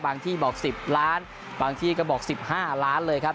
ที่บอก๑๐ล้านบางที่ก็บอก๑๕ล้านเลยครับ